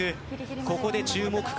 ここで注目株